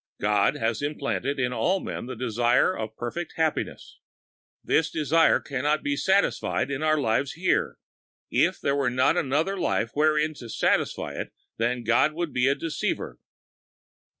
God has implanted in all men the desire of perfect happiness. This desire can not be satisfied in our lives here. If there were not another life wherein to satisfy it then God would be a deceiver.